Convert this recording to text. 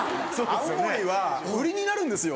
青森は売りになるんですよ。